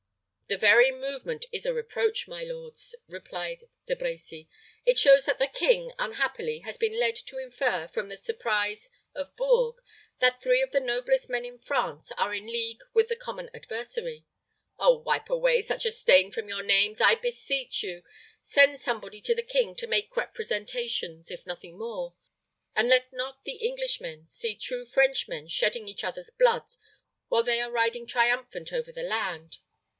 "The very movement is a reproach, my lords," replied De Brecy. "It shows that the king, unhappily, has been led to infer, from the surprise of Bourges, that three of the noblest men in France are in league with the common adversary. Oh, wipe away such a stain from your names, I beseech you! Send somebody to the king to make representations, if nothing more; and let not the Englishmen see true Frenchmen shedding each other's blood, while they are riding triumphant over the land.